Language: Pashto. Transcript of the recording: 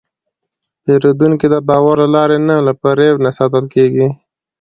پیرودونکی د باور له لارې نه، له فریب نه ساتل کېږي.